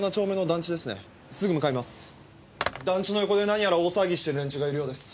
団地の横で何やら大騒ぎしている連中がいるようです。